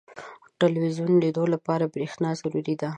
• د ټلویزیون لیدو لپاره برېښنا ضروري ده.